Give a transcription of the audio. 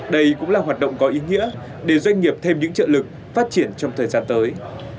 đây cũng là hoạt động có ý nghĩa để doanh nghiệp thêm những trợ lực phát triển trong thời gian tới